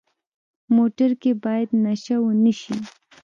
موټر کې باید نشه ونه شي.